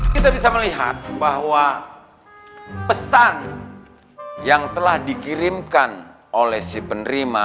kita bisa melihat bahwa pesan yang telah dikirimkan oleh si penerima